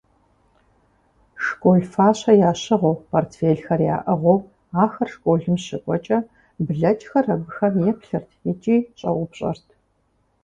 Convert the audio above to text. Школ фащэ ящыгъыу, портфелхэр яӀыгъыу ахэр школым щыкӀуэкӀэ, блэкӀхэр абыхэм еплъырт икӀи щӀэупщӀэрт: